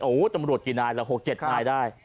โอ้โหตำรวจกี่นายละ๖๗นายได้